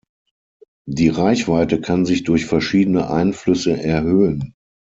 Die Reichweite kann sich durch verschiedene Einflüsse erhöhen.